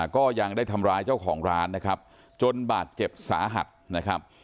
ก็ยังได้ทำร้ายเจ้าของร้านนะครับจนบาดเจ็บสาหัสนะครับ